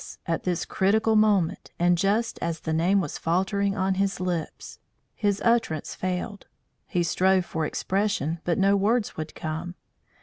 at this critical moment and just as the name was faltering on his lips, his utterance failed. He strove for expression, but no words would come.